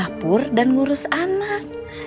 dapur dan ngurus anak